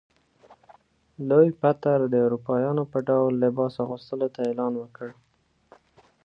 لوی پطر د اروپایانو په ډول لباس اغوستلو ته اعلان وکړ.